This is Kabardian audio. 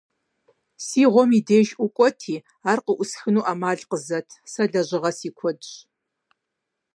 - Си гъуэм и деж ӀукӀуэти, ар къыӀусхыну Ӏэмал къызэт, сэ лэжьыгъэ си куэдщ.